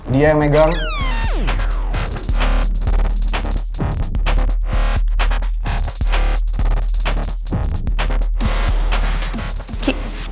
dia yang megang